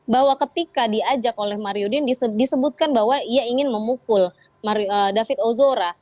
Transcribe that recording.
bahwa ketika diajak oleh mario den disebutkan bahwa ia ingin memukul david ozora